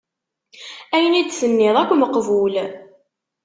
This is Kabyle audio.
Ayen i d-tenniḍ akk meqbul.